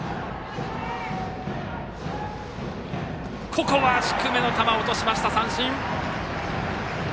ここは低めの球、落としました、三振！